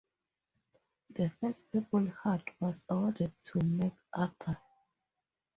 The first Purple Heart was awarded to MacArthur.